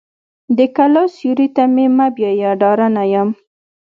د کلا سیوري ته مې مه بیایه ډارنه یم.